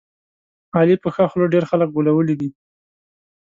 علي په ښه خوله ډېر خلک غولولي دي.